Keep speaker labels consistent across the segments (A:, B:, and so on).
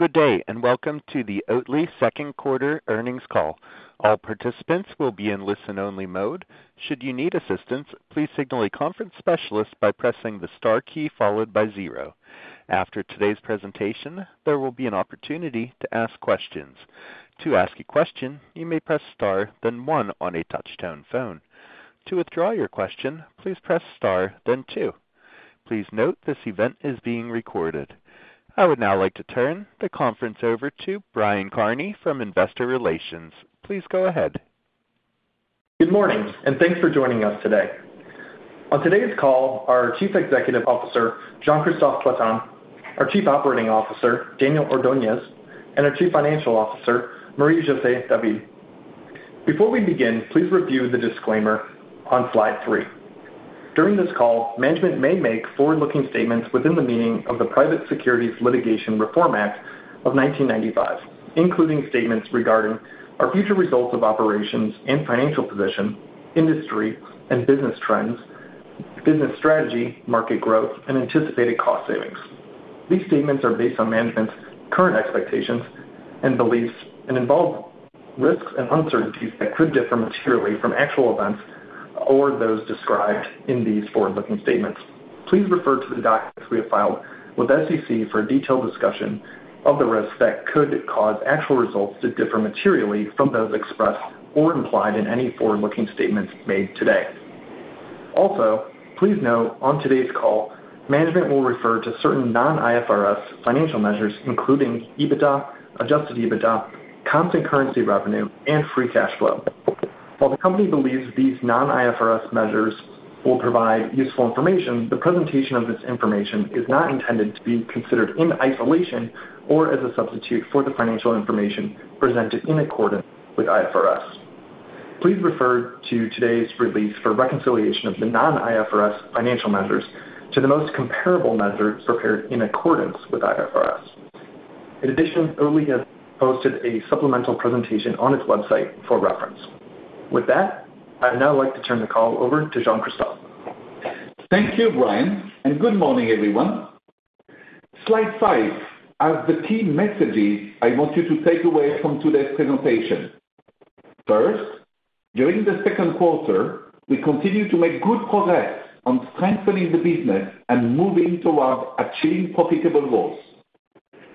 A: Good day, and welcome to the Oatly second quarter earnings call. All participants will be in listen-only mode. Should you need assistance, please signal a conference specialist by pressing the star key followed by zero. After today's presentation, there will be an opportunity to ask questions. To ask a question, you may press Star, then one on a touchtone phone. To withdraw your question, please press Star, then two. Please note, this event is being recorded. I would now like to turn the conference over to Brian Kearney from Investor Relations. Please go ahead.
B: Good morning, and thanks for joining us today. On today's call, our Chief Executive Officer, Jean-Christophe Flatin, our Chief Operating Officer, Daniel Ordoñez, and our Chief Financial Officer, Marie-José David. Before we begin, please review the disclaimer on slide three. During this call, management may make forward-looking statements within the meaning of the Private Securities Litigation Reform Act of 1995, including statements regarding our future results of operations and financial position, industry and business trends, business strategy, market growth, and anticipated cost savings. These statements are based on management's current expectations and beliefs and involve risks and uncertainties that could differ materially from actual events or those described in these forward-looking statements. Please refer to the documents we have filed with SEC for a detailed discussion of the risks that could cause actual results to differ materially from those expressed or implied in any forward-looking statements made today. Also, please note on today's call, management will refer to certain non-IFRS financial measures, including EBITDA, adjusted EBITDA, constant currency revenue, and free cash flow. While the company believes these non-IFRS measures will provide useful information, the presentation of this information is not intended to be considered in isolation or as a substitute for the financial information presented in accordance with IFRS. Please refer to today's release for reconciliation of the non-IFRS financial measures to the most comparable measures prepared in accordance with IFRS. In addition, Oatly has posted a supplemental presentation on its website for reference. With that, I'd now like to turn the call over to Jean-Christophe.
C: Thank you, Brian, and good morning, everyone. Slide five are the key messages I want you to take away from today's presentation. First, during the second quarter, we continued to make good progress on strengthening the business and moving towards achieving profitable growth.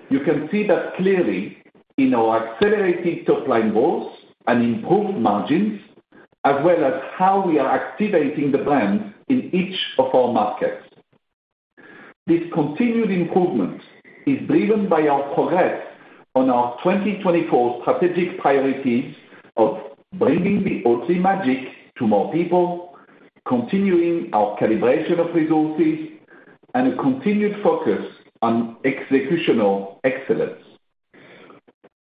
C: You can see that clearly in our accelerated top-line growth and improved margins, as well as how we are activating the brand in each of our markets. This continued improvement is driven by our progress on our 2024 strategic priorities of bringing the Oatly magic to more people, continuing our calibration of resources, and a continued focus on executional excellence.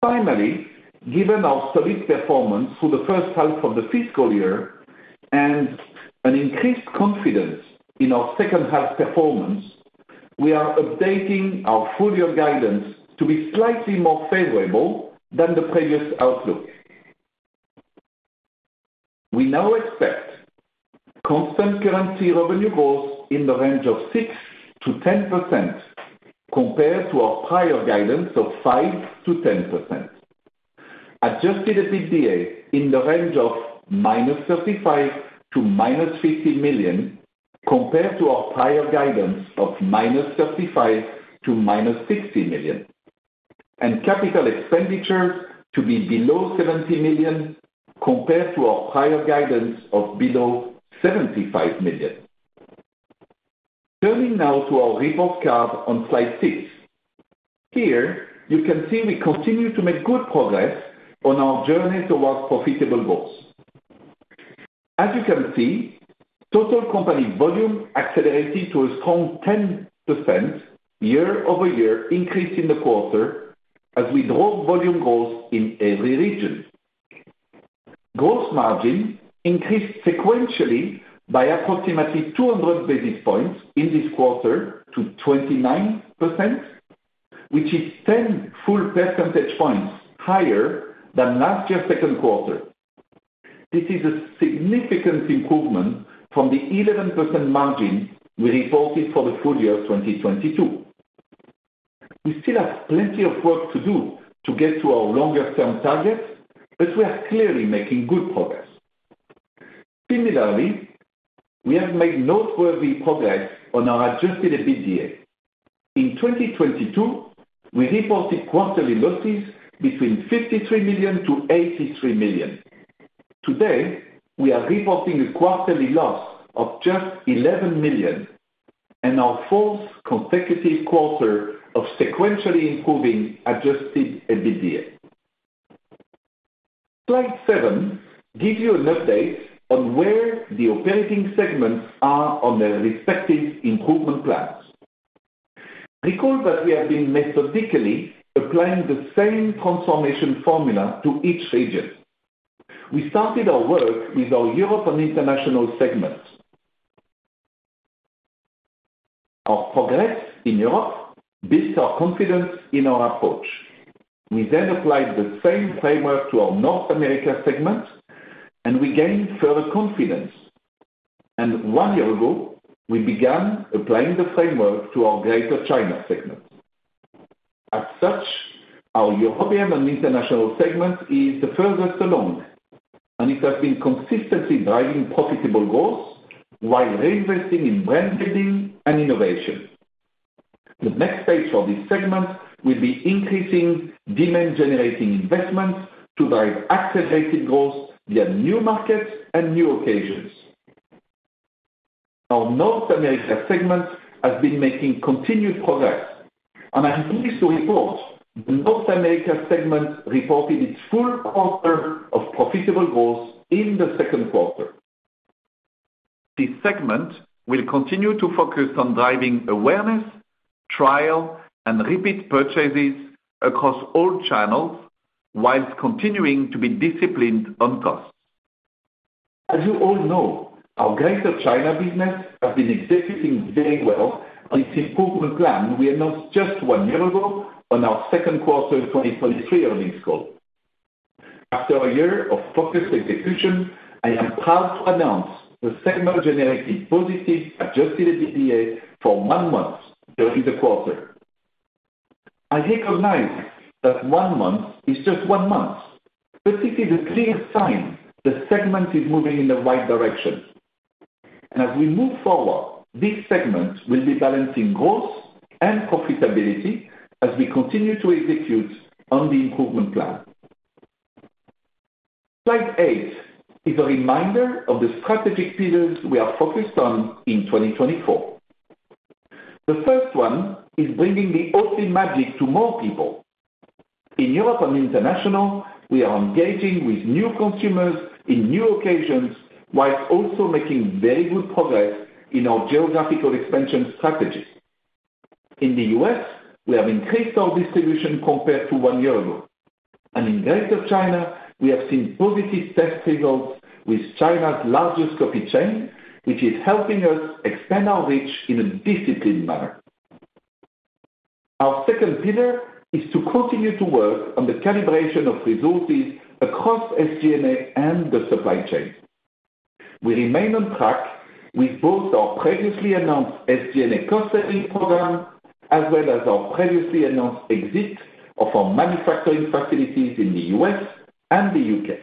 C: Finally, given our solid performance for the first half of the fiscal year and an increased confidence in our second half performance, we are updating our full year guidance to be slightly more favorable than the previous outlook. We now expect constant currency revenue growth in the range of 6%-10%, compared to our prior guidance of 5%-10%. Adjusted EBITDA in the range of -$35 million to -$50 million, compared to our prior guidance of -$35 million to -$60 million. Capital expenditures to be below $70 million, compared to our prior guidance of below $75 million. Turning now to our report card on slide six. Here, you can see we continue to make good progress on our journey towards profitable growth. As you can see, total company volume accelerated to a strong 10% year-over-year increase in the quarter as we drove volume growth in every region. Gross margin increased sequentially by approximately 200 basis points in this quarter to 29%, which is 10 full percentage points higher than last year's second quarter. This is a significant improvement from the 11% margin we reported for the full year of 2022. We still have plenty of work to do to get to our longer-term targets, but we are clearly making good progress. Similarly, we have made noteworthy progress on our adjusted EBITDA. In 2022, we reported quarterly losses between $53 million-$83 million. Today, we are reporting a quarterly loss of just $11 million and our fourth consecutive quarter of sequentially improving adjusted EBITDA. Slide seven gives you an update on where the operating segments are on their respective improvement plans. Recall that we have been methodically applying the same transformation formula to each region. We started our work with our Europe and International segments. Our progress in Europe builds our confidence in our approach. We then applied the same framework to our North America segment, and we gained further confidence... One year ago, we began applying the framework to our Greater China segment. As such, our European and International segment is the furthest along, and it has been consistently driving profitable growth while reinvesting in brand building and innovation. The next phase for this segment will be increasing demand-generating investments to drive accelerated growth via new markets and new occasions. Our North America segment has been making continued progress, and I'm pleased to report the North America segment reported its full quarter of profitable growth in the second quarter. This segment will continue to focus on driving awareness, trial, and repeat purchases across all channels, while continuing to be disciplined on costs. As you all know, our Greater China business has been executing very well on its improvement plan we announced just one year ago on our second quarter 2023 earnings call. After a year of focused execution, I am proud to announce the segment generated positive adjusted EBITDA for one month during the quarter. I recognize that one month is just one month, but this is a clear sign the segment is moving in the right direction. And as we move forward, this segment will be balancing growth and profitability as we continue to execute on the improvement plan. Slide eight is a reminder of the strategic pillars we are focused on in 2024. The first one is bringing the Oatly magic to more people. In Europe and International, we are engaging with new consumers in new occasions, while also making very good progress in our geographical expansion strategy. In the U.S., we have increased our distribution compared to one year ago, and in Greater China, we have seen positive test results with China's largest coffee chain, which is helping us expand our reach in a disciplined manner. Our second pillar is to continue to work on the calibration of resources across SG&A and the supply chain. We remain on track with both our previously announced SG&A cost-saving program, as well as our previously announced exit of our manufacturing facilities in the U.S. and the U.K.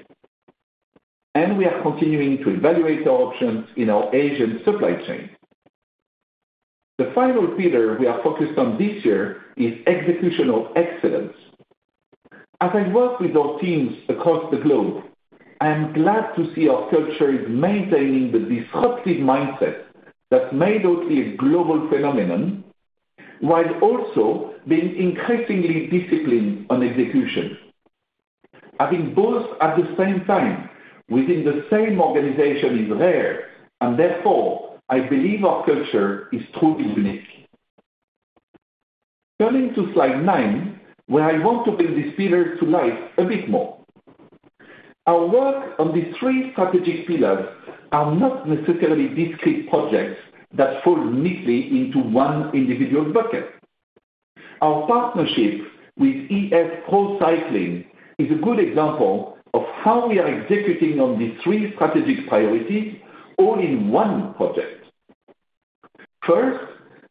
C: And we are continuing to evaluate our options in our Asian supply chain. The final pillar we are focused on this year is execution of excellence. As I work with our teams across the globe, I am glad to see our culture is maintaining the disruptive mindset that made Oatly a global phenomenon, while also being increasingly disciplined on execution. Having both at the same time within the same organization is rare, and therefore, I believe our culture is truly unique. Turning to slide nine, where I want to bring these pillars to life a bit more. Our work on these three strategic pillars are not necessarily discrete projects that fall neatly into one individual bucket. Our partnership with EF Pro Cycling is a good example of how we are executing on these three strategic priorities, all in one project. First,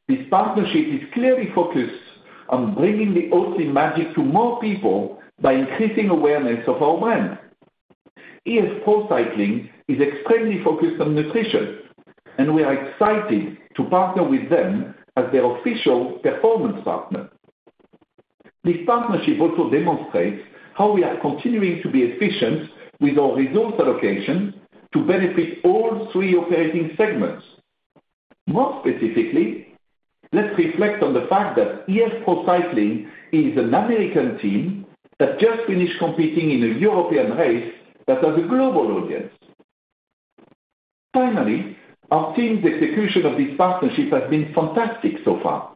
C: this partnership is clearly focused on bringing the Oatly magic to more people by increasing awareness of our brand. EF Pro Cycling is extremely focused on nutrition, and we are excited to partner with them as their official performance partner. This partnership also demonstrates how we are continuing to be efficient with our resource allocation to benefit all three operating segments. More specifically, let's reflect on the fact that EF Pro Cycling is an American team that just finished competing in a European race that has a global audience. Finally, our team's execution of this partnership has been fantastic so far,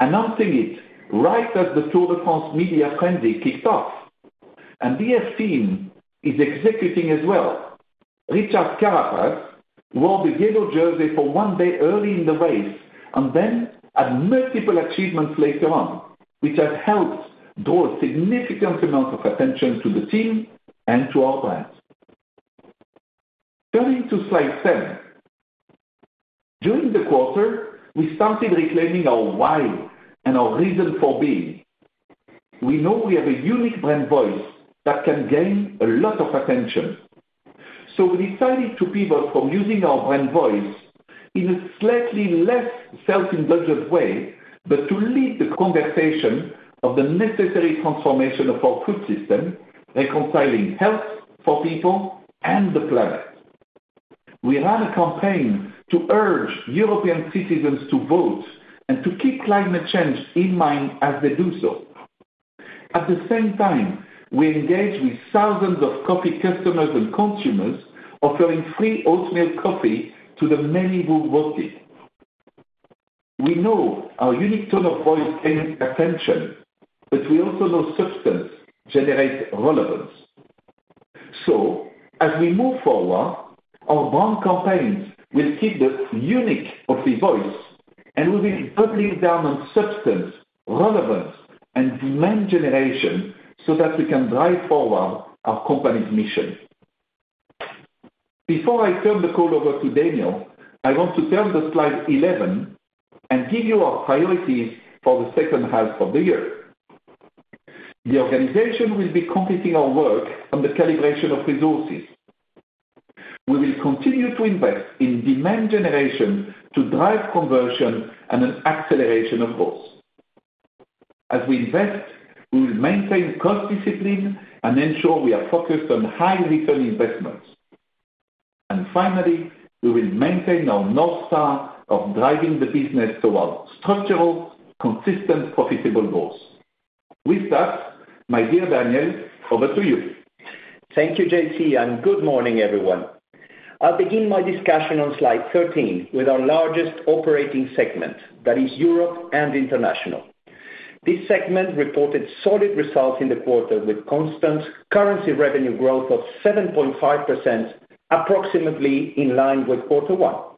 C: announcing it right as the Tour de France media frenzy kicked off, and the EF team is executing as well. Richard Carapaz wore the yellow jersey for one day early in the race and then had multiple achievements later on, which has helped draw a significant amount of attention to the team and to our brand. Turning to slide 10. During the quarter, we started reclaiming our why and our reason for being. We know we have a unique brand voice that can gain a lot of attention. So we decided to pivot from using our brand voice in a slightly less self-indulgent way, but to lead the conversation of the necessary transformation of our food system, reconciling health for people and the planet. We ran a campaign to urge European citizens to vote and to keep climate change in mind as they do so. At the same time, we engaged with thousands of coffee customers and consumers, offering free oat milk coffee to the many who voted. We know our unique tone of voice gains attention, but we also know substance generates relevance. So as we move forward, our brand campaigns will keep the unique Oatly voice and we'll be putting it down on substance, relevance, and demand generation so that we can drive forward our company's mission. Before I turn the call over to Daniel, I want to turn to slide 11 and give you our priorities for the second half of the year. The organization will be completing our work on the calibration of resources. We will continue to invest in demand generation to drive conversion and an acceleration of growth. As we invest, we will maintain cost discipline and ensure we are focused on high return investments. And finally, we will maintain our North Star of driving the business towards structural, consistent, profitable growth. With that, my dear Daniel, over to you.
D: Thank you, JC, and good morning, everyone. I'll begin my discussion on slide 13 with our largest operating segment, that is Europe and International. This segment reported solid results in the quarter, with constant currency revenue growth of 7.5%, approximately in line with quarter one.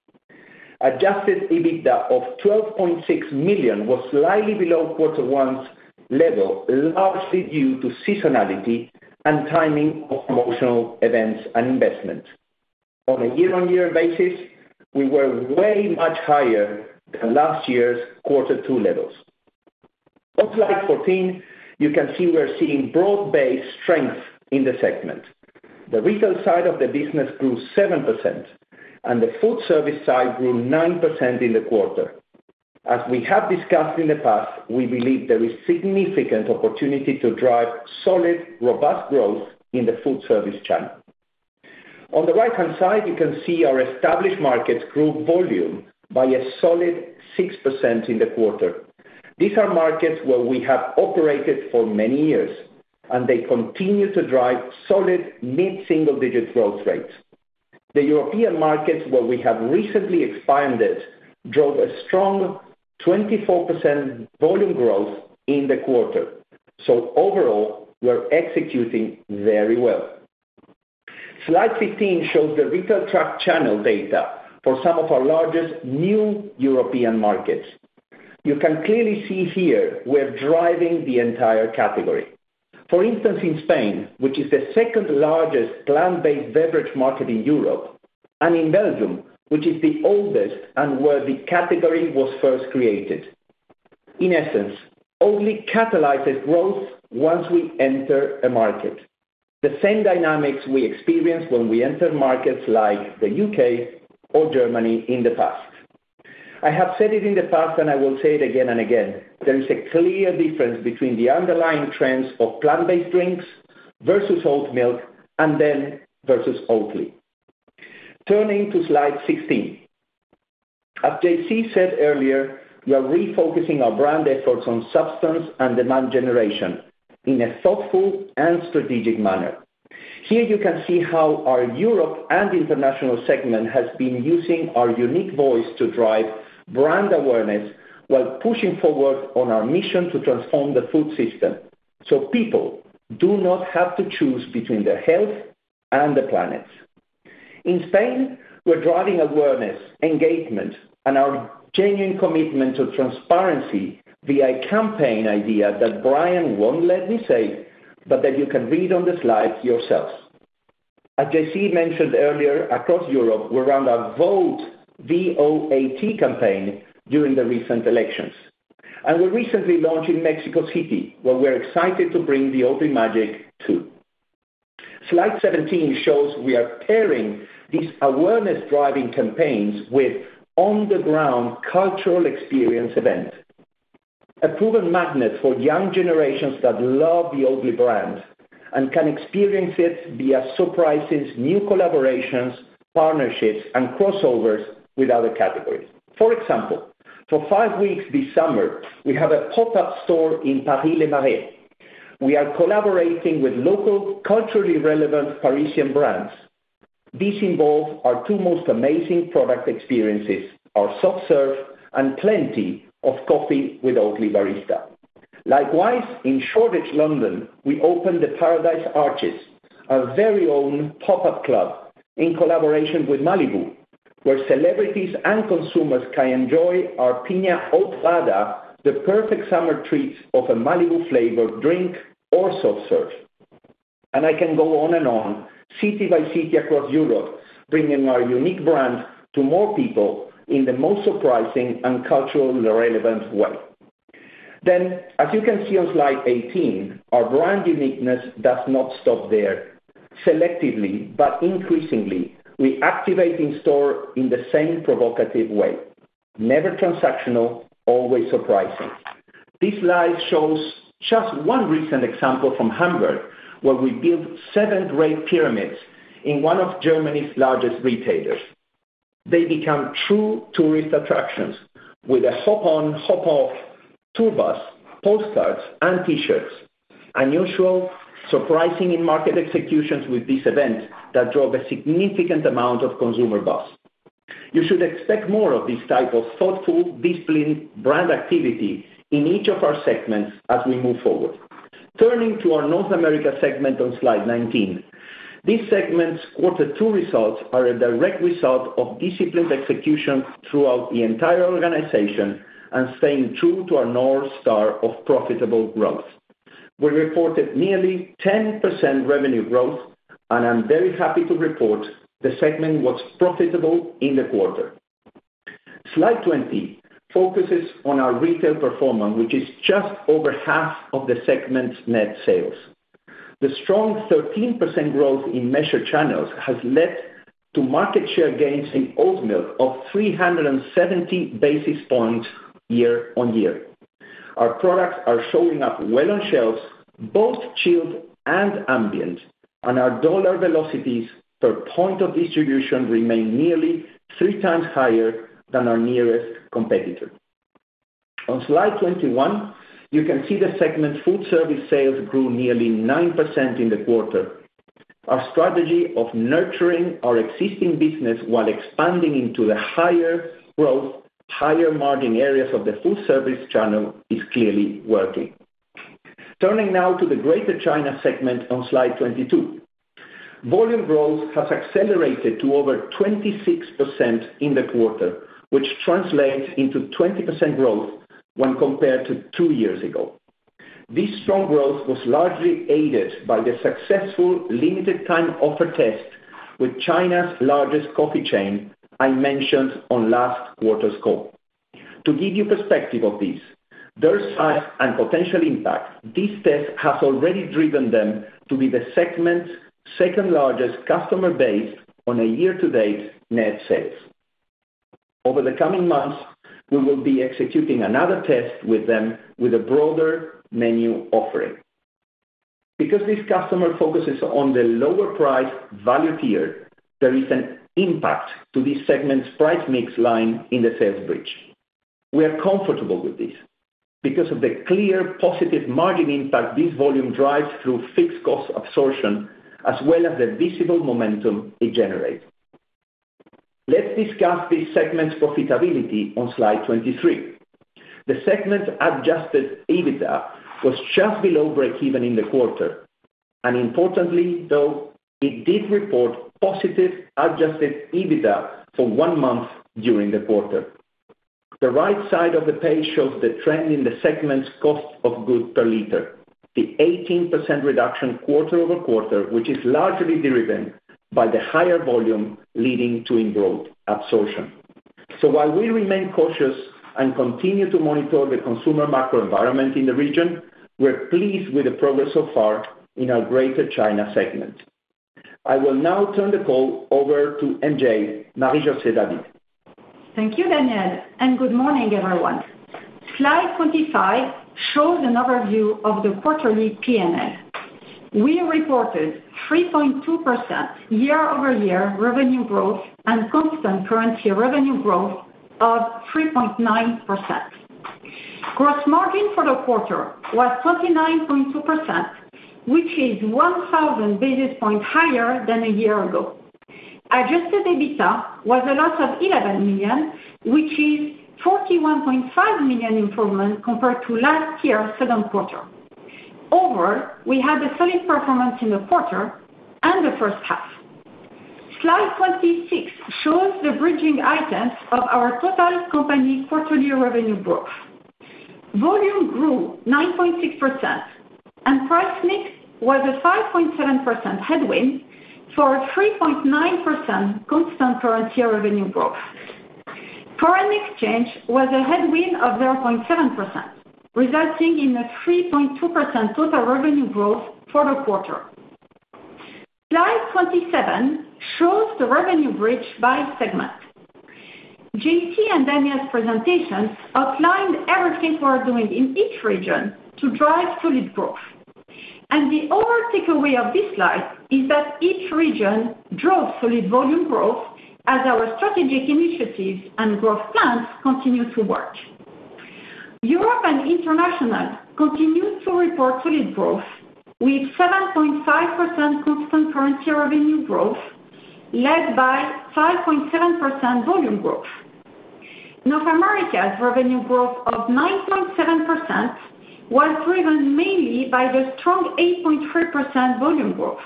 D: Adjusted EBITDA of $12.6 million was slightly below quarter one's level, largely due to seasonality and timing of promotional events and investment. On a year-on-year basis, we were way much higher than last year's quarter two levels. On slide 14, you can see we're seeing broad-based strength in the segment. The retail side of the business grew 7%, and the food service side grew 9% in the quarter. As we have discussed in the past, we believe there is significant opportunity to drive solid, robust growth in the food service channel. On the right-hand side, you can see our established markets grew volume by a solid 6% in the quarter. These are markets where we have operated for many years, and they continue to drive solid mid-single-digit growth rates. The European markets, where we have recently expanded, drove a strong 24% volume growth in the quarter. So overall, we're executing very well. Slide 15 shows the retail tracked channel data for some of our largest new European markets. You can clearly see here we're driving the entire category. For instance, in Spain, which is the second largest plant-based beverage market in Europe, and in Belgium, which is the oldest and where the category was first created. In essence, Oatly catalyzes growth once we enter a market. The same dynamics we experienced when we entered markets like the UK or Germany in the past. I have said it in the past, and I will say it again and again, there is a clear difference between the underlying trends of plant-based drinks versus oat milk and then versus Oatly. Turning to slide 16, as JC said earlier, we are refocusing our brand efforts on substance and demand generation in a thoughtful and strategic manner. Here you can see how our Europe and international segment has been using our unique voice to drive brand awareness while pushing forward on our mission to transform the food system, so people do not have to choose between their health and the planet. In Spain, we're driving awareness, engagement, and our genuine commitment to transparency via a campaign idea that Brian won't let me say, but that you can read on the slide yourselves. As JC mentioned earlier, across Europe, we ran our vote, V-O-A-T, campaign during the recent elections. We recently launched in Mexico City, where we're excited to bring the Oatly magic, too. Slide 17 shows we are pairing these awareness-driving campaigns with on-the-ground cultural experience events, a proven magnet for young generations that love the Oatly brand and can experience it via surprises, new collaborations, partnerships, and crossovers with other categories. For example, for five weeks this summer, we have a pop-up store in Paris, Le Marais. We are collaborating with local, culturally relevant Parisian brands. This involves our two most amazing product experiences, our soft serve and plenty of coffee with Oatly barista. Likewise, in Shoreditch, London, we opened the Paradise Arches, our very own pop-up club, in collaboration with Malibu, where celebrities and consumers can enjoy our Piña Oatlada, the perfect summer treat of a Malibu flavored drink or soft serve. I can go on and on, city by city across Europe, bringing our unique brand to more people in the most surprising and culturally relevant way. Then, as you can see on Slide 18, our brand uniqueness does not stop there. Selectively, but increasingly, we activate in store in the same provocative way, never transactional, always surprising. This slide shows just one recent example from Hamburg, where we built seven great pyramids in one of Germany's largest retailers. They become true tourist attractions with a hop-on, hop-off tour bus, postcards, and T-shirts. Unusual, surprising in-market executions with this event that drove a significant amount of consumer buzz. You should expect more of this type of thoughtful, disciplined brand activity in each of our segments as we move forward. Turning to our North America segment on Slide 19. This segment's quarter two results are a direct result of disciplined execution throughout the entire organization and staying true to our North Star of profitable growth. We reported nearly 10% revenue growth, and I'm very happy to report the segment was profitable in the quarter. Slide 20 focuses on our retail performance, which is just over half of the segment's net sales. The strong 13% growth in measured channels has led to market share gains in oat milk of 370 basis points year-on-year. Our products are showing up well on shelves, both chilled and ambient, and our dollar velocities per point of distribution remain nearly three times higher than our nearest competitor. On Slide 21, you can see the segment food service sales grew nearly 9% in the quarter. Our strategy of nurturing our existing business while expanding into the higher growth, higher margin areas of the food service channel is clearly working. Turning now to the Greater China segment on Slide 22. Volume growth has accelerated to over 26% in the quarter, which translates into 20% growth when compared to two years ago. This strong growth was largely aided by the successful limited time offer test with China's largest coffee chain I mentioned on last quarter's call. To give you perspective of this, their size and potential impact, this test has already driven them to be the segment's second-largest customer base on a year-to-date net sales. Over the coming months, we will be executing another test with them with a broader menu offering. Because this customer focuses on the lower price value tier, there is an impact to this segment's price mix line in the sales bridge. We are comfortable with this because of the clear positive margin impact this volume drives through fixed cost absorption, as well as the visible momentum it generates. Let's discuss this segment's profitability on Slide 23. The segment's adjusted EBITDA was just below breakeven in the quarter, and importantly, though, it did report positive adjusted EBITDA for one month during the quarter. The right side of the page shows the trend in the segment's cost of goods per liter. The 18% reduction quarter-over-quarter, which is largely driven by the higher volume leading to fixed cost absorption. So while we remain cautious and continue to monitor the consumer macro environment in the region, we're pleased with the progress so far in our Greater China segment. I will now turn the call over to MJ, Marie-José David.
E: Thank you, Daniel, and good morning, everyone. Slide 25 shows an overview of the quarterly P&L. We reported 3.2% year-over-year revenue growth and constant currency revenue growth of 3.9%. Gross margin for the quarter was 39.2%, which is 1,000 basis points higher than a year ago. Adjusted EBITDA was a loss of $11 million, which is $41.5 million improvement compared to last year's second quarter. Overall, we had a solid performance in the quarter and the first half. Slide 26 shows the bridging items of our total company portfolio revenue growth. Volume grew 9.6%, and price mix was a 5.7% headwind for a 3.9% constant currency revenue growth. Foreign exchange was a headwind of 0.7%, resulting in a 3.2% total revenue growth for the quarter. Slide 27 shows the revenue bridge by segment. JC and Daniel's presentation outlined everything we are doing in each region to drive solid growth. The overall takeaway of this slide is that each region drove solid volume growth as our strategic initiatives and growth plans continue to work. Europe and International continued to report solid growth, with 7.5% constant currency revenue growth, led by 5.7% volume growth. North America's revenue growth of 9.7% was driven mainly by the strong 8.3% volume growth.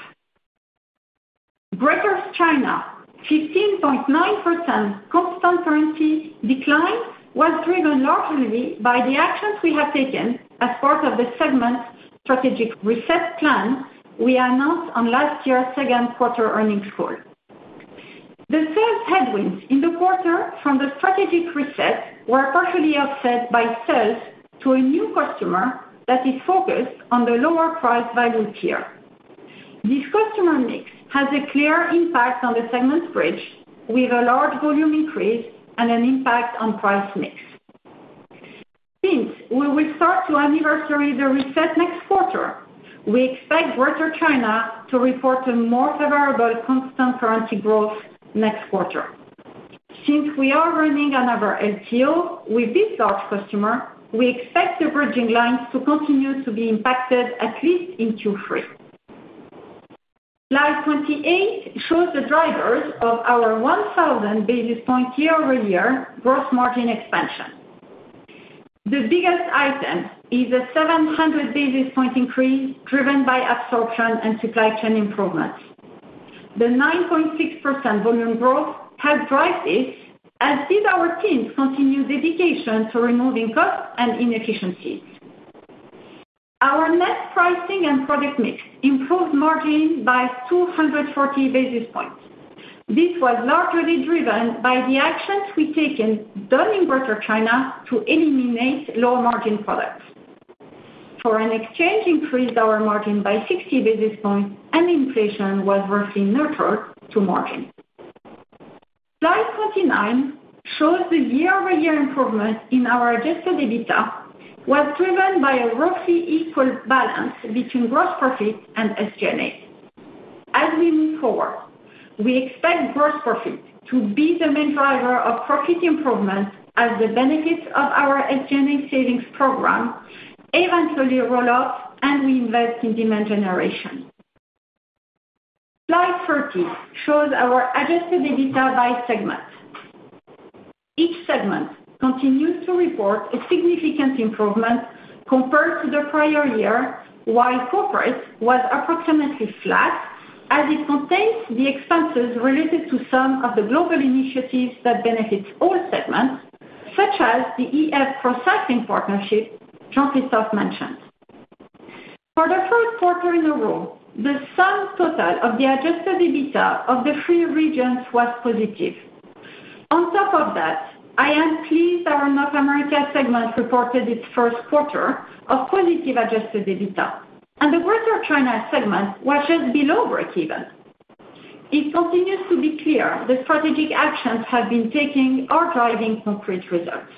E: Greater China, 15.9% constant currency decline was driven largely by the actions we have taken as part of the segment's strategic reset plan we announced on last year's second quarter earnings call. The sales headwinds in the quarter from the strategic reset were partially offset by sales to a new customer that is focused on the lower price value tier. This customer mix has a clear impact on the segment's bridge, with a large volume increase and an impact on price mix. Since we will start to anniversary the reset next quarter, we expect Greater China to report a more favorable constant currency growth next quarter. Since we are running another LTO with this large customer, we expect the bridging lines to continue to be impacted at least in Q3. Slide 28 shows the drivers of our 1,000 basis points year-over-year gross margin expansion. The biggest item is a 700 basis point increase, driven by absorption and supply chain improvements. The 9.6% volume growth helped drive this, as did our team's continued dedication to removing costs and inefficiencies. Our net pricing and product mix improved margin by 240 basis points. This was largely driven by the actions we've taken in Greater China to eliminate low-margin products. Foreign exchange increased our margin by 60 basis points, and inflation was roughly neutral to margin. Slide 29 shows the year-over-year improvement in our adjusted EBITDA was driven by a roughly equal balance between gross profit and SG&A. As we move forward, we expect gross profit to be the main driver of profit improvement as the benefits of our SG&A savings program eventually roll off, and we invest in demand generation. Slide 30 shows our adjusted EBITDA by segment. Each segment continues to report a significant improvement compared to the prior year, while corporate was approximately flat, as it contains the expenses related to some of the global initiatives that benefits all segments, such as the EF Pro Cycling partnership Jean-Christophe mentioned. For the first quarter in a row, the sum total of the adjusted EBITDA of the three regions was positive. On top of that, I am pleased our North America segment reported its first quarter of positive adjusted EBITDA, and the Greater China segment was just below breakeven. It continues to be clear the strategic actions have been taking are driving concrete results.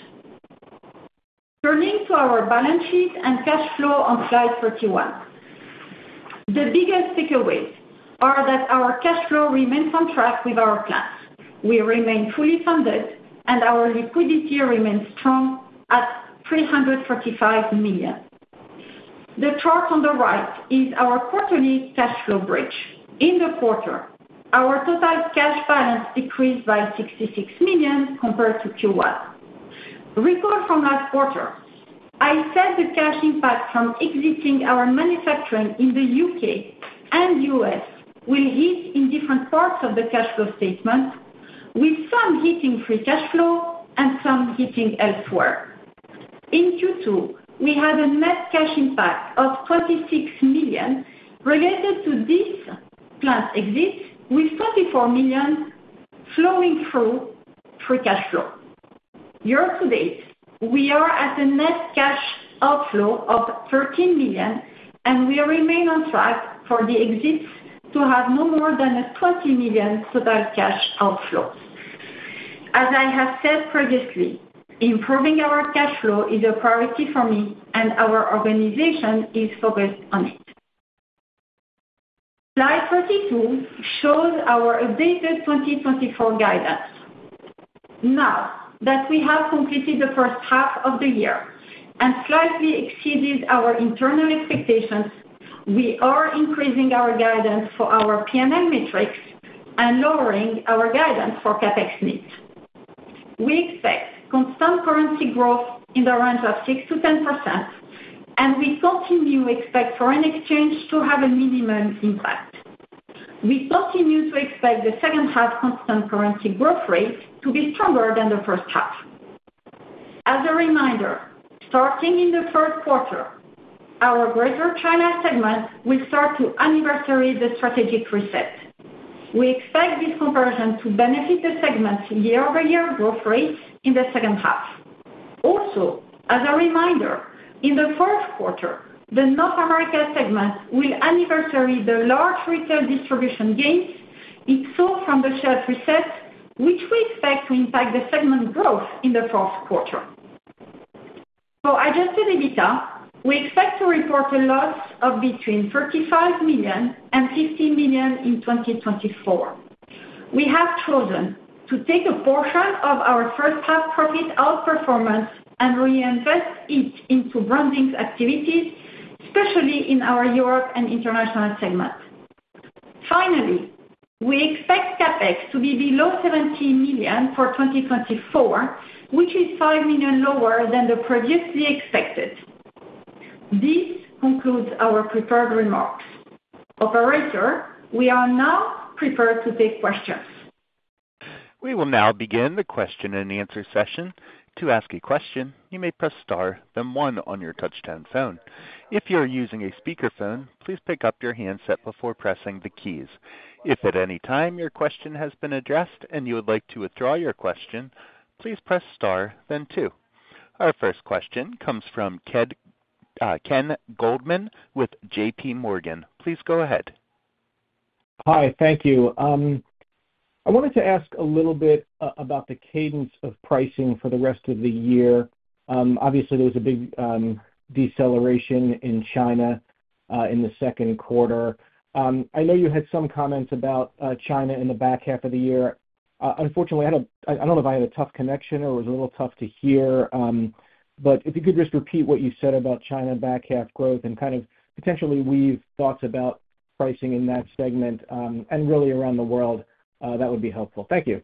E: Turning to our balance sheet and cash flow on slide 31. The biggest takeaways are that our cash flow remains on track with our plans. We remain fully funded, and our liquidity remains strong at $335 million. The chart on the right is our quarterly cash flow bridge. In the quarter, our total cash balance decreased by $66 million compared to Q1. Recall from last quarter, I said the cash impact from exiting our manufacturing in the UK and US will hit in different parts of the cash flow statement, with some hitting free cash flow and some hitting elsewhere. In Q2, we had a net cash impact of $36 million related to this plant exit, with $34 million flowing through free cash flow. Year-to-date, we are at a net cash outflow of $13 million, and we remain on track for the exits to have no more than a $20 million total cash outflow. As I have said previously, improving our cash flow is a priority for me, and our organization is focused on it. Slide 32 shows our updated 2024 guidance. Now that we have completed the first half of the year and slightly exceeded our internal expectations, we are increasing our guidance for our P&L metrics and lowering our guidance for CapEx needs. We expect constant currency growth in the range of 6%-10%, and we continue to expect foreign exchange to have a minimum impact. We continue to expect the second half constant currency growth rate to be stronger than the first half. As a reminder, starting in the third quarter, our Greater China segment will start to anniversary the strategic reset. We expect this comparison to benefit the segment's year-over-year growth rates in the second half. Also, as a reminder, in the fourth quarter, the North America segment will anniversary the large retail distribution gains it saw from the shelf reset, which we expect to impact the segment growth in the fourth quarter. For Adjusted EBITDA, we expect to report a loss of between $35 million and $50 million in 2024. We have chosen to take a portion of our first half profit outperformance and reinvest it into branding activities, especially in our Europe and international segments. Finally, we expect CapEx to be below $17 million for 2024, which is $5 million lower than the previously expected. This concludes our prepared remarks. Operator, we are now prepared to take questions.
A: We will now begin the question-and-answer session. To ask a question, you may press star, then one on your touchtone phone. If you are using a speakerphone, please pick up your handset before pressing the keys. If at any time your question has been addressed and you would like to withdraw your question, please press star then two. Our first question comes from Ken Goldman with JPMorgan. Please go ahead.
F: Hi, thank you. I wanted to ask a little bit about the cadence of pricing for the rest of the year. Obviously, there was a big deceleration in China in the second quarter. I know you had some comments about China in the back half of the year. Unfortunately, I don't know if I had a tough connection or it was a little tough to hear. But if you could just repeat what you said about China back half growth and kind of potentially weave thoughts about pricing in that segment and really around the world, that would be helpful. Thank you.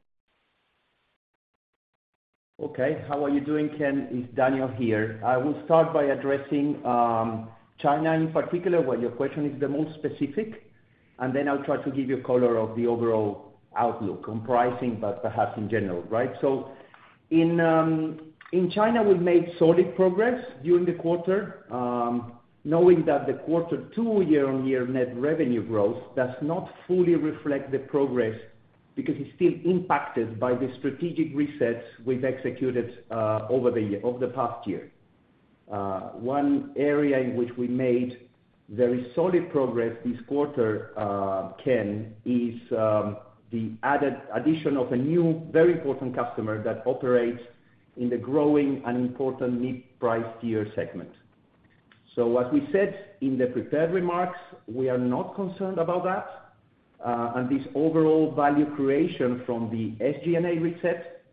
D: Okay. How are you doing, Ken? It's Daniel here. I will start by addressing China in particular, where your question is the most specific, and then I'll try to give you color of the overall outlook on pricing, but perhaps in general, right? So in China, we've made solid progress during the quarter, knowing that the quarter two year-on-year net revenue growth does not fully reflect the progress because it's still impacted by the strategic resets we've executed over the past year. One area in which we made very solid progress this quarter, Ken, is the added addition of a new, very important customer that operates in the growing and important mid-price tier segment. So as we said in the prepared remarks, we are not concerned about that, and this overall value creation from the SG&A reset,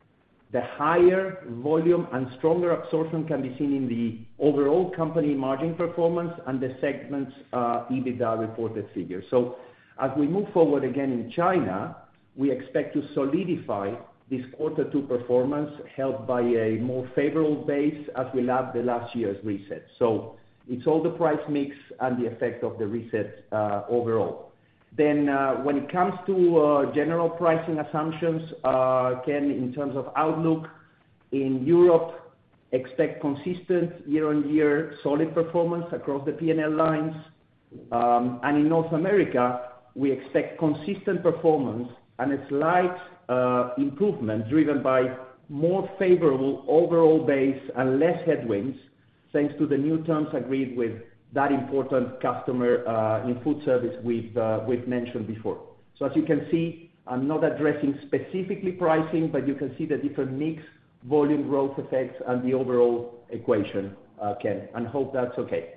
D: the higher volume and stronger absorption can be seen in the overall company margin performance and the segment's, EBITDA reported figures. So as we move forward again in China, we expect to solidify this quarter two performance, helped by a more favorable base as we lap the last year's reset. So it's all the price mix and the effect of the reset, overall. Then, when it comes to, general pricing assumptions, Ken, in terms of outlook, in Europe, expect consistent year-on-year solid performance across the P&L lines. In North America, we expect consistent performance and a slight improvement driven by more favorable overall base and less headwinds, thanks to the new terms agreed with that important customer in food service we've mentioned before. As you can see, I'm not addressing specifically pricing, but you can see the different mix, volume growth effects, and the overall equation, Ken, and hope that's okay.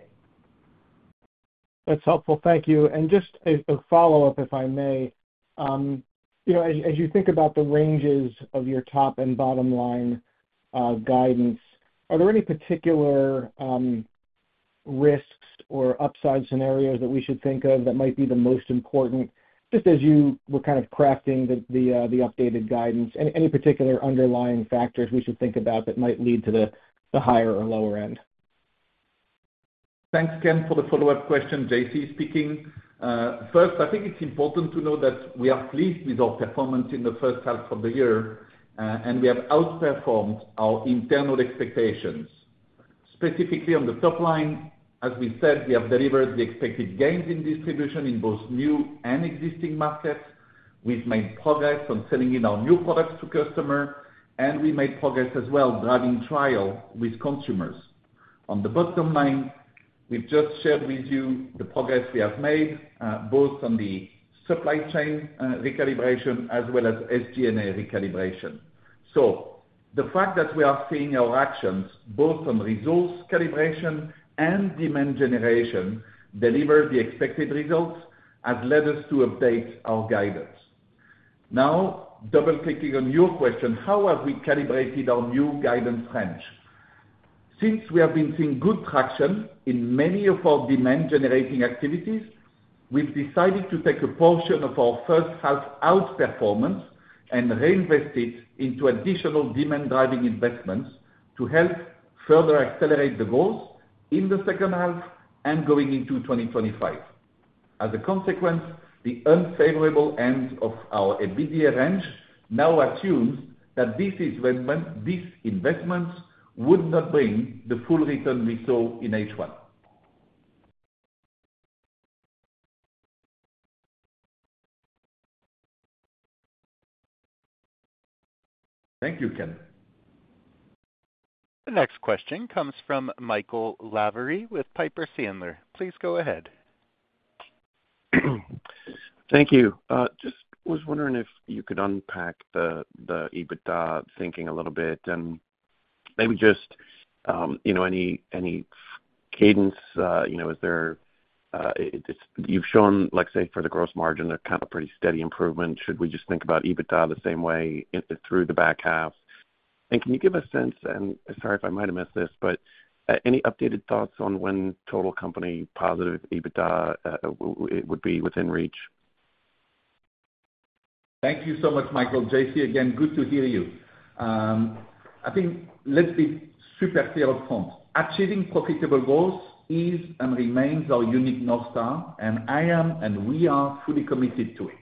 F: That's helpful. Thank you. And just a follow-up, if I may. You know, as you think about the ranges of your top and bottom line guidance, are there any particular risks or upside scenarios that we should think of that might be the most important, just as you were kind of crafting the updated guidance? Any particular underlying factors we should think about that might lead to the higher or lower end?
C: Thanks, Ken, for the follow-up question. JC speaking. First, I think it's important to know that we are pleased with our performance in the first half of the year, and we have outperformed our internal expectations. Specifically on the top line, as we said, we have delivered the expected gains in distribution in both new and existing markets. We've made progress on selling in our new products to customer, and we made progress as well, driving trial with consumers. On the bottom line, we've just shared with you the progress we have made, both on the supply chain recalibration as well as SG&A recalibration. So the fact that we are seeing our actions, both on resource calibration and demand generation, deliver the expected results, has led us to update our guidance. Now, double-clicking on your question, how have we calibrated our new guidance range? Since we have been seeing good traction in many of our demand-generating activities, we've decided to take a portion of our first half outperformance and reinvest it into additional demand-driving investments to help further accelerate the growth in the second half and going into 2025. As a consequence, the unfavorable end of our EBITDA range now assumes that this investment, these investments would not bring the full return we saw in H1. Thank you, Ken.
A: The next question comes from Michael Lavery with Piper Sandler. Please go ahead.
G: Thank you. Just was wondering if you could unpack the EBITDA thinking a little bit, and maybe just, you know, any cadence, you know, is there, it's. You've shown, like, say, for the gross margin, a kind of pretty steady improvement. Should we just think about EBITDA the same way in, through the back half? And can you give a sense, and sorry if I might have missed this, but, any updated thoughts on when total company positive EBITDA would be within reach?
C: Thank you so much, Michael. JC again, good to hear you. I think let's be super clear up front. Achieving profitable growth is and remains our unique North Star, and I am, and we are, fully committed to it.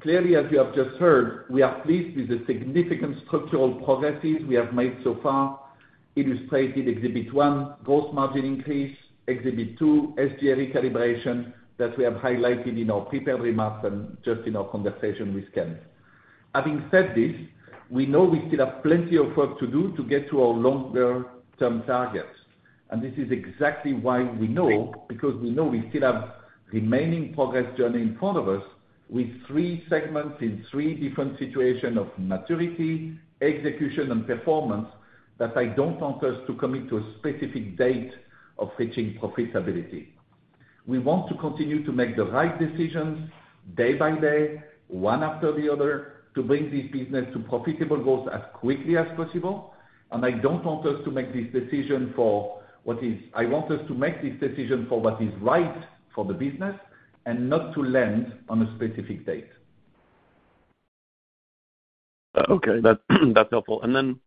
C: Clearly, as you have just heard, we are pleased with the significant structural progresses we have made so far, illustrated Exhibit one, gross margin increase, Exhibit two, SG&A recalibration, that we have highlighted in our prepared remarks and just in our conversation with Ken. Having said this, we know we still have plenty of work to do to get to our longer term targets. And this is exactly why we know, because we know we still have remaining progress journey in front of us with three segments in three different situations of maturity, execution, and performance, that I don't want us to commit to a specific date of reaching profitability.... We want to continue to make the right decisions day by day, one after the other, to bring this business to profitable growth as quickly as possible. And I don't want us to make this decision. I want us to make this decision for what is right for the business and not to land on a specific date.
G: Okay, that's, that's helpful. And then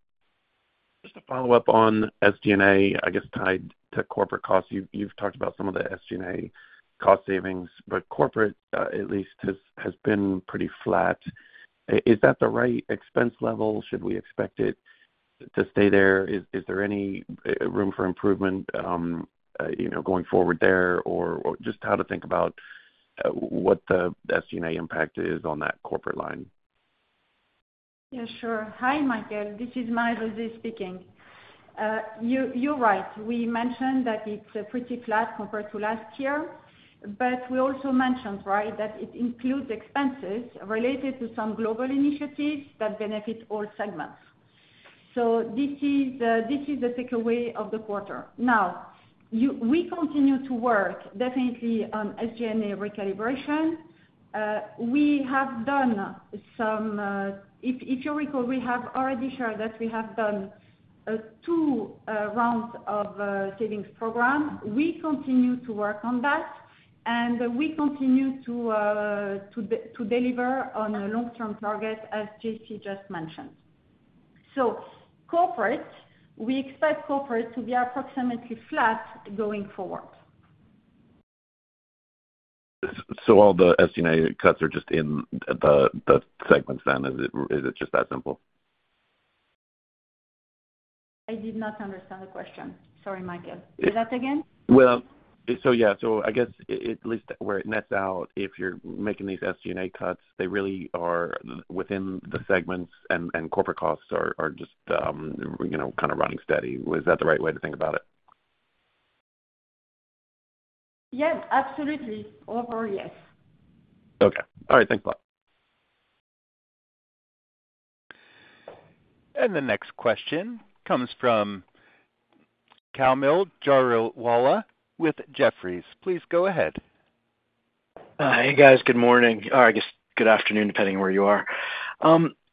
G: just to follow up on SG&A, I guess, tied to corporate costs. You've, you've talked about some of the SG&A cost savings, but corporate, at least has, has been pretty flat. Is that the right expense level? Should we expect it to stay there? Is, is there any room for improvement, you know, going forward there, or, or just how to think about what the SG&A impact is on that corporate line?
E: Yeah, sure. Hi, Michael. This is Marie-José speaking. You're, you're right. We mentioned that it's pretty flat compared to last year, but we also mentioned, right, that it includes expenses related to some global initiatives that benefit all segments. So this is the, this is the takeaway of the quarter. Now, we continue to work, definitely on SG&A recalibration. If, if you recall, we have already shared that we have done two rounds of savings program. We continue to work on that, and we continue to deliver on a long-term target, as JC just mentioned. So corporate, we expect corporate to be approximately flat going forward.
G: So all the SG&A cuts are just in the, the segments then. Is it, is it just that simple?
E: I did not understand the question. Sorry, Michael. Say that again?
G: Well, so yeah. So I guess at least where it nets out, if you're making these SG&A cuts, they really are within the segments and corporate costs are just, you know, kind of running steady. Was that the right way to think about it?
E: Yes, absolutely. Overall, yes.
G: Okay. All right. Thanks a lot.
A: The next question comes from Kaumil Gajrawala with Jefferies. Please go ahead.
H: Hey, guys. Good morning, or I guess good afternoon, depending on where you are.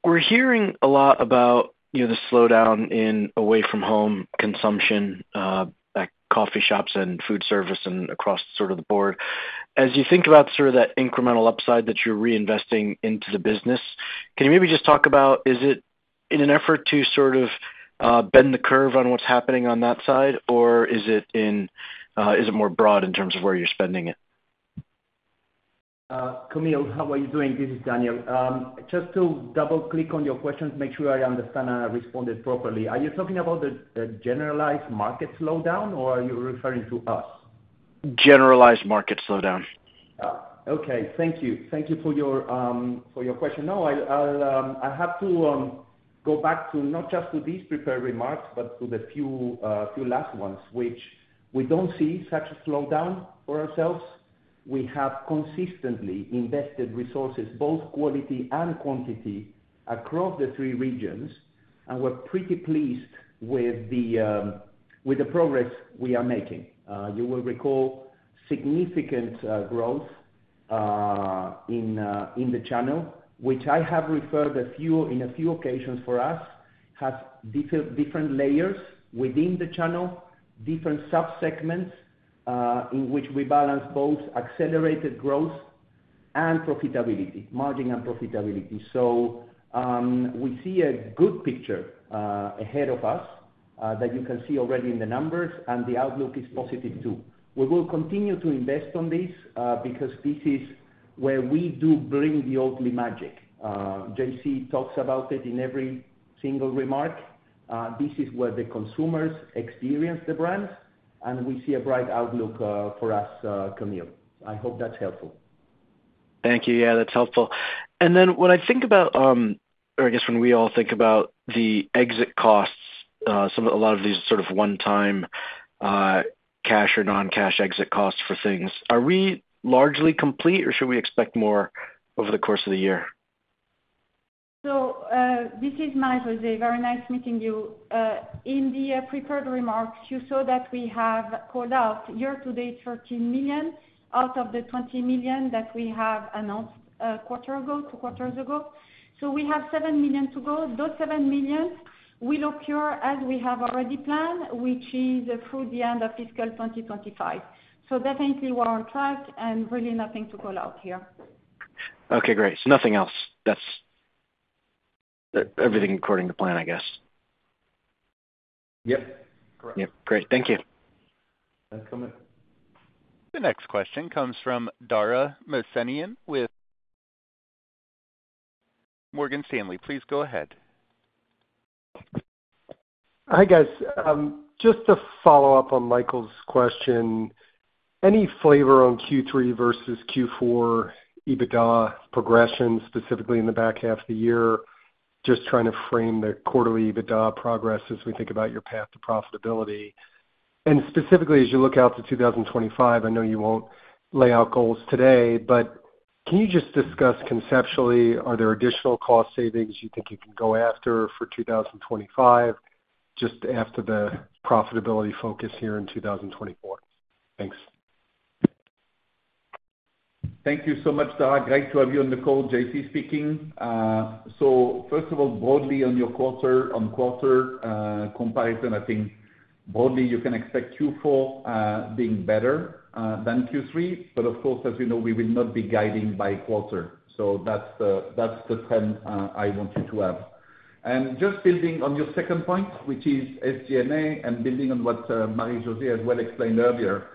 H: We're hearing a lot about, you know, the slowdown in away-from-home consumption at coffee shops and food service and across sort of the board. As you think about sort of that incremental upside that you're reinvesting into the business, can you maybe just talk about, is it in an effort to sort of bend the curve on what's happening on that side, or is it in, is it more broad in terms of where you're spending it?
D: Kamil, how are you doing? This is Daniel. Just to double-click on your question to make sure I understand and I responded properly. Are you talking about the generalized market slowdown, or are you referring to us?
H: Generalized market slowdown.
D: Okay. Thank you. Thank you for your, for your question. No, I'll, I have to go back to not just these prepared remarks, but to the few last ones, which we don't see such a slowdown for ourselves. We have consistently invested resources, both quality and quantity, across the three regions, and we're pretty pleased with the progress we are making. You will recall significant growth in the channel, which I have referred a few in a few occasions for us, has different layers within the channel, different subsegments, in which we balance both accelerated growth and profitability, margin and profitability. So, we see a good picture ahead of us that you can see already in the numbers, and the outlook is positive, too. We will continue to invest on this, because this is where we do bring the Oatly magic. JC talks about it in every single remark. This is where the consumers experience the brands, and we see a bright outlook, for us, Kaumil. I hope that's helpful.
H: Thank you. Yeah, that's helpful. And then when I think about, or I guess when we all think about the exit costs, a lot of these sort of one-time, cash or non-cash exit costs for things, are we largely complete, or should we expect more over the course of the year?
E: So, this is Marie-José. Very nice meeting you. In the prepared remarks, you saw that we have called out year-to-date, $13 million, out of the $20 million that we have announced, quarter ago, two quarters ago. So we have $7 million to go. Those $7 million will occur as we have already planned, which is through the end of fiscal 2025. So definitely we're on track and really nothing to call out here.
H: Okay, great. So nothing else. That's everything according to plan, I guess?
D: Yep, correct.
H: Yep. Great. Thank you.
D: Thanks, Kaumil.
A: The next question comes from Dara Mohsenian with Morgan Stanley. Please go ahead.
I: Hi, guys. Just to follow up on Michael's question, any flavor on Q3 versus Q4 EBITDA progression, specifically in the back half of the year? Just trying to frame the quarterly EBITDA progress as we think about your path to profitability. And specifically, as you look out to 2025, I know you won't lay out goals today, but can you just discuss conceptually, are there additional cost savings you think you can go after for 2025?... just after the profitability focus here in 2024. Thanks.
C: Thank you so much, Dara. Great to have you on the call, JC speaking. So first of all, broadly on your quarter, on quarter, comparison, I think broadly you can expect Q4, being better, than Q3, but of course, as you know, we will not be guiding by quarter. So that's the, that's the trend, I want you to have. And just building on your second point, which is SG&A, and building on what, Marie-José as well explained earlier.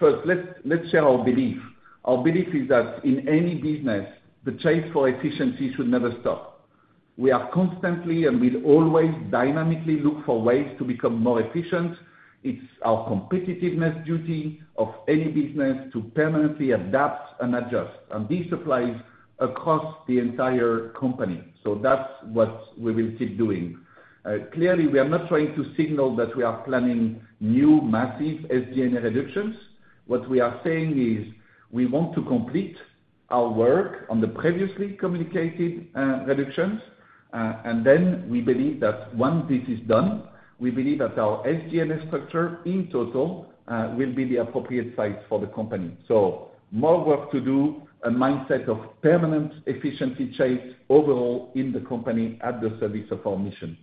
C: First, let's, let's share our belief. Our belief is that in any business, the chase for efficiency should never stop. We are constantly, and we'll always dynamically look for ways to become more efficient. It's our competitiveness duty of any business to permanently adapt and adjust, and this applies across the entire company. So that's what we will keep doing. Clearly, we are not trying to signal that we are planning new, massive SG&A reductions. What we are saying is we want to complete our work on the previously communicated reductions, and then we believe that once this is done, we believe that our SG&A structure in total will be the appropriate size for the company. So more work to do and mindset of permanent efficiency chase overall in the company at the service of our mission.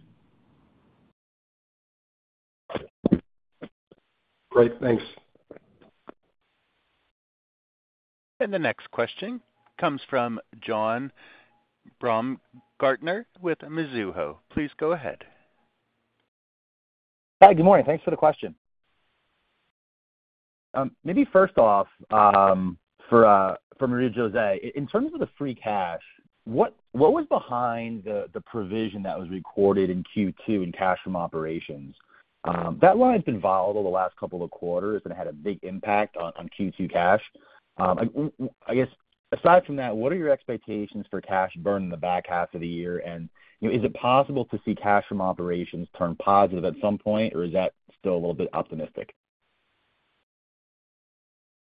I: Great. Thanks.
A: The next question comes from John Baumgartner with Mizuho. Please go ahead.
J: Hi, good morning. Thanks for the question. Maybe first off, for Marie-José, in terms of the free cash, what was behind the provision that was recorded in Q2 in cash from operations? That line's been volatile the last couple of quarters, and it had a big impact on Q2 cash. I guess aside from that, what are your expectations for cash burn in the back half of the year? And, you know, is it possible to see cash from operations turn positive at some point, or is that still a little bit optimistic?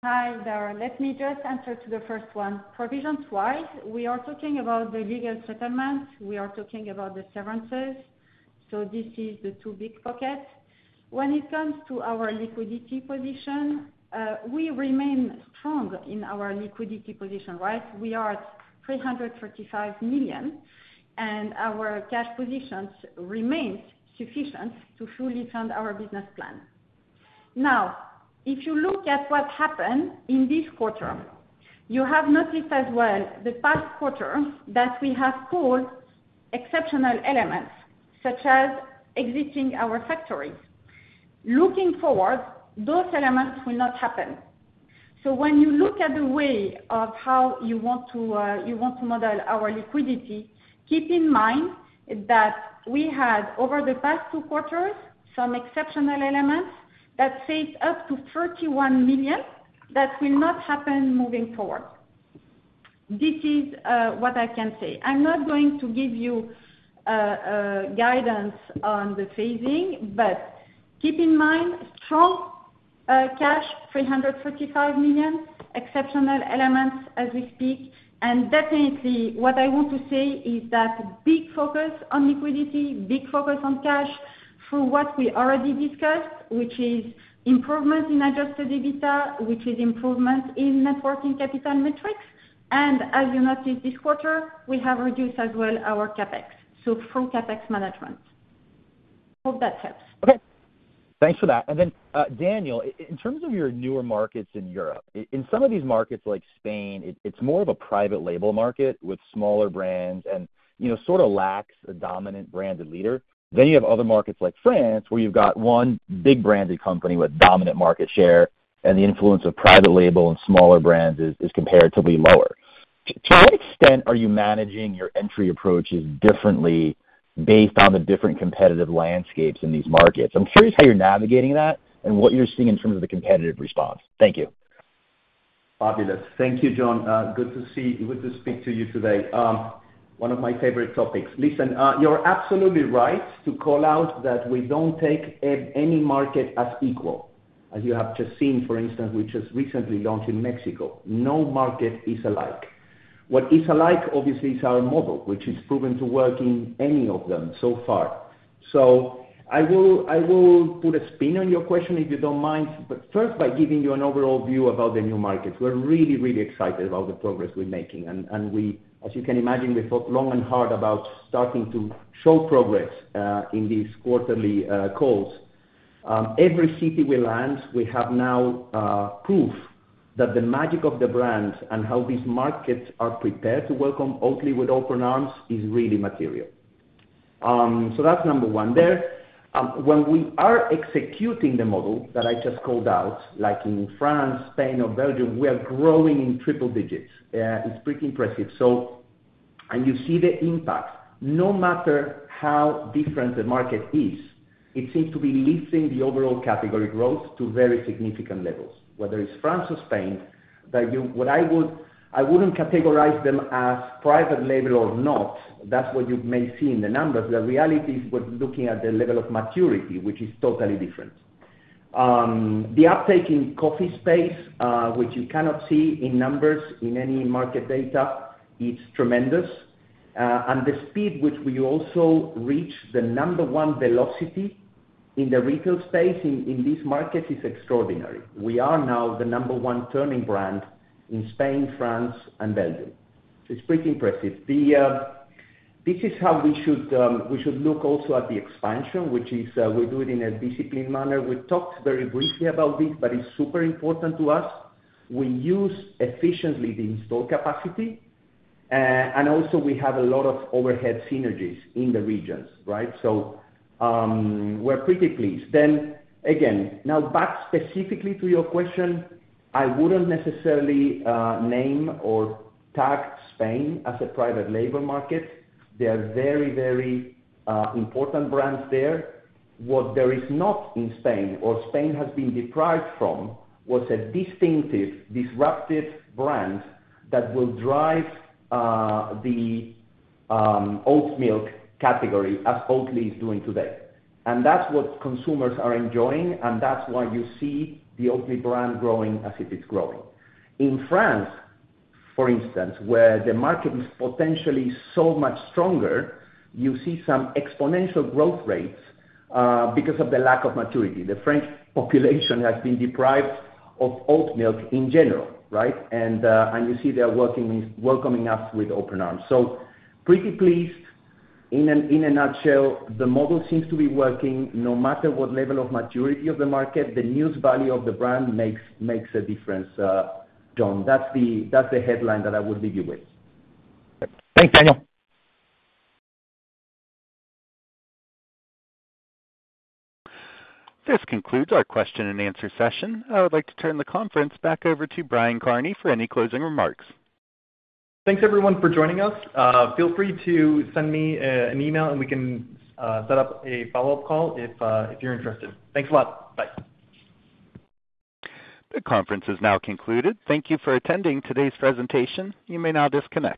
E: Hi there. Let me just answer to the first one. Provisions-wise, we are talking about the legal settlement, we are talking about the severances, so this is the two big pocket. When it comes to our liquidity position, we remain strong in our liquidity position, right? We are at $335 million, and our cash positions remains sufficient to fully fund our business plan. Now, if you look at what happened in this quarter, you have noticed as well the past quarter that we have called exceptional elements, such as exiting our factories. Looking forward, those elements will not happen. So when you look at the way of how you want to, you want to model our liquidity, keep in mind that we had, over the past two quarters, some exceptional elements that saved up to $31 million that will not happen moving forward. This is what I can say. I'm not going to give you guidance on the phasing, but keep in mind strong cash $335 million, exceptional elements as we speak, and definitely what I want to say is that big focus on liquidity, big focus on cash through what we already discussed, which is improvement in Adjusted EBITDA, which is improvement in net working capital metrics. As you noticed this quarter, we have reduced as well our CapEx, so full CapEx management. Hope that helps.
J: Okay, thanks for that. And then, Daniel, in terms of your newer markets in Europe, in some of these markets like Spain, it's more of a private label market with smaller brands and, you know, sort of lacks a dominant branded leader. Then you have other markets like France, where you've got one big branded company with dominant market share, and the influence of private label and smaller brands is comparatively lower. To what extent are you managing your entry approaches differently based on the different competitive landscapes in these markets? I'm curious how you're navigating that and what you're seeing in terms of the competitive response. Thank you.
D: Fabulous. Thank you, John. Good to speak to you today. One of my favorite topics. Listen, you're absolutely right to call out that we don't take any market as equal. As you have just seen, for instance, we just recently launched in Mexico. No market is alike. What is alike, obviously, is our model, which is proven to work in any of them so far. So I will, I will put a spin on your question, if you don't mind, but first by giving you an overall view about the new markets. We're really, really excited about the progress we're making, and we—as you can imagine, we thought long and hard about starting to show progress in these quarterly calls. Every city we launch, we have now proof that the magic of the brand and how these markets are prepared to welcome Oatly with open arms is really material. So that's number one there. When we are executing the model that I just called out, like in France, Spain or Belgium, we are growing in triple digits. It's pretty impressive. And you see the impact. No matter how different the market is, it seems to be lifting the overall category growth to very significant levels, whether it's France or Spain, I wouldn't categorize them as private label or not. That's what you may see in the numbers. The reality is we're looking at the level of maturity, which is totally different. The uptake in coffee space, which you cannot see in numbers in any market data, it's tremendous. And the speed which we also reach the number one velocity in the retail space in these markets is extraordinary. We are now the number one turning brand in Spain, France, and Belgium. It's pretty impressive. This is how we should, we should look also at the expansion, which is, we do it in a disciplined manner. We talked very briefly about this, but it's super important to us. We use efficiently the in-store capacity, and also we have a lot of overhead synergies in the regions, right? So, we're pretty pleased. Then again, now back specifically to your question, I wouldn't necessarily name or tag Spain as a private label market. They are very, very important brands there. What there is not in Spain or Spain has been deprived from, was a distinctive, disruptive brand that will drive the oat milk category as Oatly is doing today. That's what consumers are enjoying, and that's why you see the Oatly brand growing as it is growing. In France, for instance, where the market is potentially so much stronger, you see some exponential growth rates because of the lack of maturity. The French population has been deprived of oat milk in general, right? And you see they are working with welcoming us with open arms. Pretty pleased. In a nutshell, the model seems to be working. No matter what level of maturity of the market, the news value of the brand makes a difference, John. That's the headline that I will leave you with.
J: Thanks, Daniel.
A: This concludes our question and answer session. I would like to turn the conference back over to Brian Kearney for any closing remarks.
B: Thanks, everyone, for joining us. Feel free to send me an email, and we can set up a follow-up call if you're interested. Thanks a lot. Bye.
A: The conference is now concluded. Thank you for attending today's presentation. You may now disconnect.